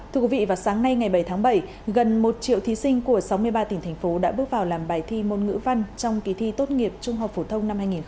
thưa quý vị vào sáng nay ngày bảy tháng bảy gần một triệu thí sinh của sáu mươi ba tỉnh thành phố đã bước vào làm bài thi môn ngữ văn trong kỳ thi tốt nghiệp trung học phổ thông năm hai nghìn hai mươi